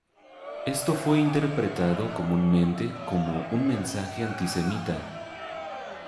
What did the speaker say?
Esto fue interpretado comúnmente como un mensaje antisemita.